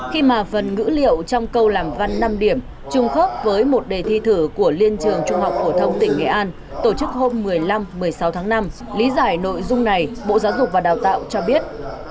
khi mà phần ngữ liệu trong câu làm văn năm điểm trùng khớp với một đề thi thử của liên trường trung học phổ thông tỉnh nghệ an tổ chức hôm một mươi năm một mươi sáu tháng năm lý giải nội dung này bộ giáo dục và đào tạo cho biết